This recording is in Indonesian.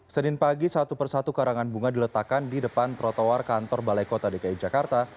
senin pagi satu persatu karangan bunga diletakkan di depan trotoar kantor balai kota dki jakarta